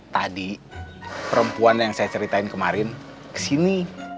tadi perempuan yang saya ceritain kemarin kesini